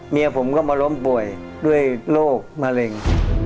เมียผมก็มาล้มป่วยด้วยโรคมะเร็ง